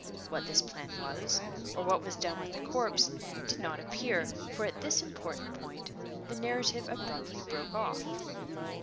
What this plan was, or what was done with the corpse, did not appear, for at this important point the narrative abruptly broke off.